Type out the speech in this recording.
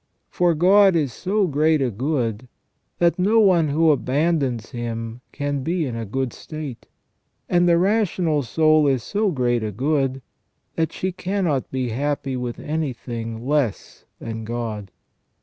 For God is so great a good, that no one who abandons Him can be in a good state. And the rational soul is so great a good, that she cannot be happy with anything less than God.